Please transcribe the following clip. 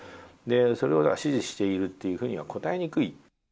それを支持しているというふうには答えにくい。